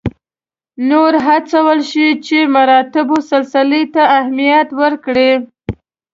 نور وهڅول شي چې مراتبو سلسلې ته اهمیت ورکړي.